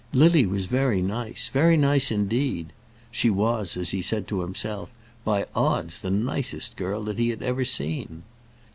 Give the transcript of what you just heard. Lily was very nice, very nice indeed. She was, as he said to himself, "by odds, the nicest girl that he had ever seen."